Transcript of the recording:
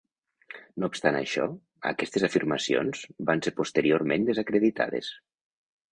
No obstant això, aquestes afirmacions van ser posteriorment desacreditades.